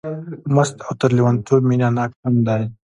مست او تر لېونتوب مینه ناک هم دی.